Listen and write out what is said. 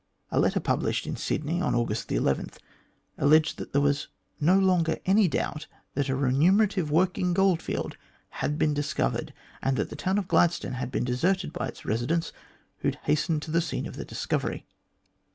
A letter published in Sydney on August 11, alleged that there was no longer any doubt that a remunerative working goldfield had been discovered, and that the town of Gladstone had been deserted by its residents, who had hastened to the scene of the discovery.